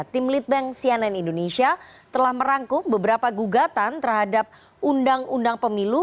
tim litbang cnn indonesia telah merangkum beberapa gugatan terhadap undang undang pemilu